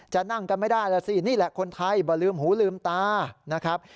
นั่งกันไม่ได้แล้วสินี่แหละคนไทยบ่ลืมหูลืมตานะครับ